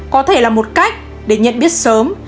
có thể là một cách để nhận biết sớm